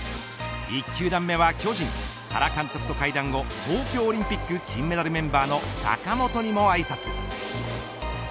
１球団目は巨人原監督と会談後東京オリンピック金メダルメンバーの坂本にもあいさつ。